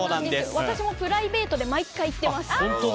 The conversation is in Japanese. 私もプライベートで毎回行ってます。